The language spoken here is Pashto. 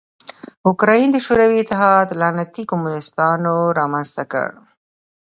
اوکراین د شوروي اتحاد لعنتي کمونستانو رامنځ ته کړ.